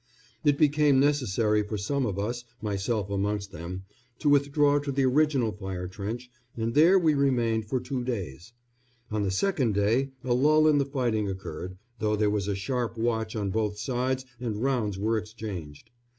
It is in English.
It became necessary for some of us, myself amongst them, to withdraw to the original fire trench, and there we remained for two days. On the second day a lull in the fighting occurred, though there was a sharp watch on both sides and rounds were exchanged.